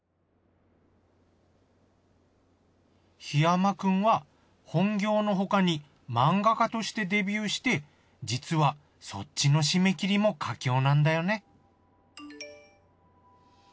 檜山くんは本業の他に漫画家としてデビューして実はそっちの締め切りも佳境なんだよね